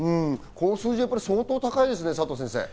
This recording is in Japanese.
この数字は相当高いですね、佐藤先生。